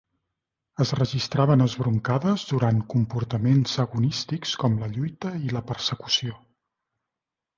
Es registraven esbroncades durant comportaments agonístics com la lluita i la persecució.